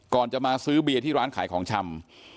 ก่อนจะมาซื้อเบียร์ที่ร้านขายของชำ